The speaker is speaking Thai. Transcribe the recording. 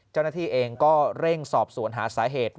เจ้าหน้าที่เองก็เร่งสอบสวนหาสาเหตุ